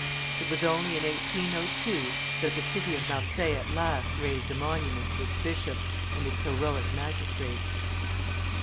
It was only in 1802 that the city of Marseilles at last raised a monument to its bishop and its heroic magistrates.